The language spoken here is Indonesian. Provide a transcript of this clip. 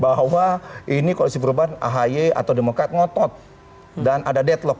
bahwa ini koalisi perubahan ahi atau demokrat ngotot dan ada deadlock